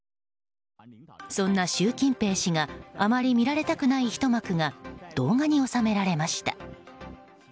そんな習近平氏があまり見られたくないひと幕が動画に収められました。